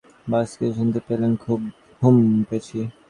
বাজ, কিছু শুনতে পেলেন হুম, পেয়েছি।